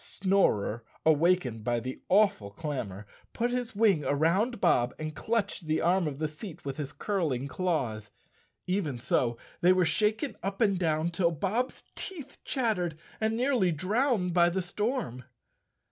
Snorer, awakened by the awful clamor, put his wing around Bob and clutched the arm of the seat with his curling claws. Even so they were shaken up and down till Bob's teeth chattered and nearly drowned by the storm.